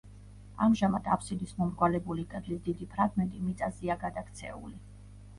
ამჟამად აფსიდის მომრგვალებული კედლის დიდი ფრაგმენტი მიწაზეა გადაქცეული.